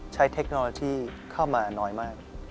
เทคโนโลยีเข้ามาน้อยมาก